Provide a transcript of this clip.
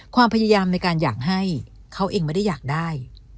ความพยายามในการอยากให้เขาเองไม่ได้อยากได้